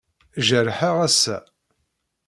Jerḥeɣ ass-a.